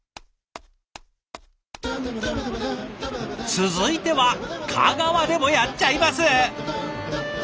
続いては香川でもやっちゃいます！